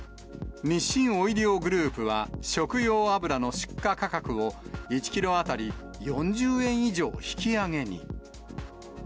日清オイリオグループは、食用油の出荷価格を、１キロ当たり４０円以上引き上げに。